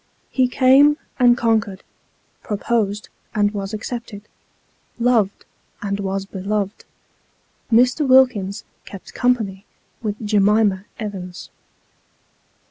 He came, and conquered pro posed, and was accepted loved, and was beloved. ftlr. Wilkins " kept company " with Jemima Evans.